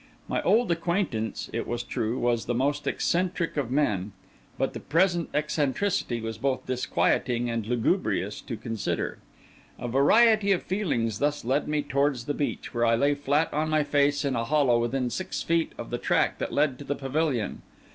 My old acquaintance, it was true, was the most eccentric of men; but the present eccentricity was both disquieting and lugubrious to consider. A variety of feelings thus led me towards the beach, where I lay flat on my face in a hollow within six feet of the track that led to the pavilion.